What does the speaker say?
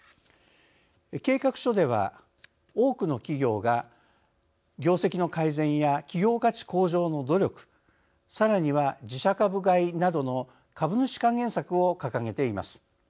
計画書では多くの企業が業績の改善や企業価値向上の努力さらには自社株買いなどの株主還元策を掲げています。